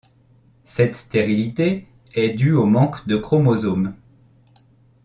Cette stérilité est dû au manque de chromosomes.